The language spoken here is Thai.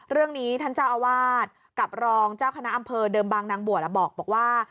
เรื่องนี้ท่านเจ้าอาวาสกับรองเจ้าคณะอำเภอเดิมบางนางบวชบอกว่า